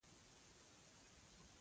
حاکم وویل: ای خلکو شکر ګذاري وکړئ.